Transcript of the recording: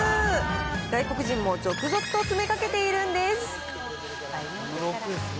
外国人も続々と詰めかけているんです。